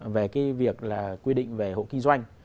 về cái việc là quy định về hộ kinh doanh